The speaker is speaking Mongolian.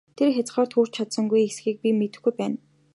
Тэр хязгаарт хүрч чадсан эсэхийг би мэдэхгүй байна!